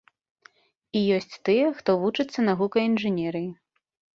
І ёсць тыя, хто вучыцца на гукаінжынерыі.